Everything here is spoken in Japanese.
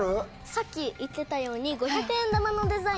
さっき言ってたように。